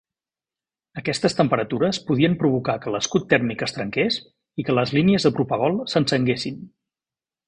Aquestes temperatures podien provocar que l'escut tèrmic es trenqués i que les línies de propegol s'encenguessin.